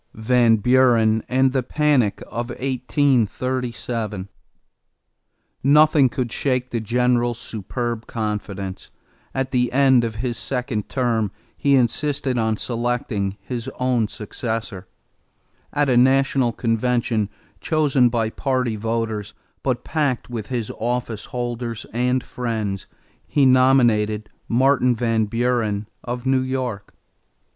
=Van Buren and the Panic of 1837.= Nothing could shake the General's superb confidence. At the end of his second term he insisted on selecting his own successor; at a national convention, chosen by party voters, but packed with his office holders and friends, he nominated Martin Van Buren of New York.